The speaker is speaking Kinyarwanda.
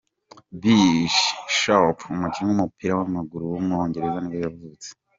Billy Sharp, umukinnyi w’umupira w’amaguru w’umwongereza nibwo yavutse.